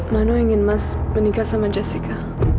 mano ingin mas menikah sama jessica